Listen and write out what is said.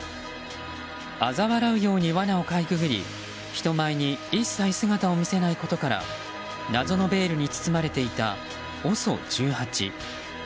あざ笑うようにわなをかいくぐり人前に一切姿を見せないことから謎のベールに包まれていたＯＳＯ１８。